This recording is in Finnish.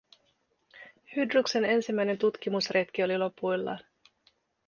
Hydruksen ensimmäinen tutkimusretki oli lopuillaan.